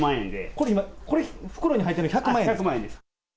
これ今、これ袋に入ってるの、１００万円ですか？